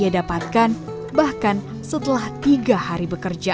ia dapatkan bahkan setelah tiga hari bekerja